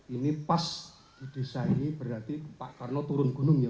ini pas di desa ini berarti pak karno turun gunung ya